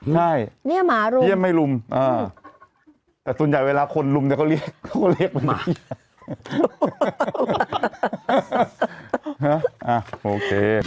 แต่เขาเฮียไม่ลุมนะนี่หมาลุมโอเคฮะโอเค